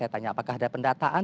tanya apakah ada pendataan